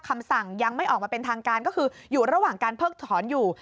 คำสั่งยังไม่ออกมาเป็นทางการก็คืออยู่ระหว่างการเพิกถอนอยู่